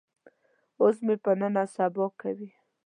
اوس مې په نن او سبا کوي.